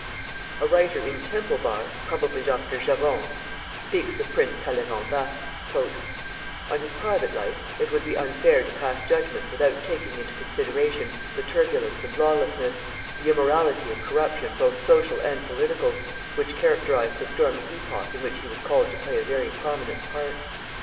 A writer in "Temple Bar" (probably Dr. Jevons) speaks of Prince Talleyrand thus: "On his private life it would be unfair to pass judgment without taking into consideration the turbulence and lawlessness, the immorality and corruption both social and political, which characterized the stormy epoch in which he was called to play a very prominent part.